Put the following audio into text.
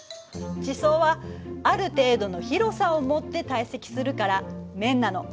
地層はある程度の広さをもって堆積するから面なの。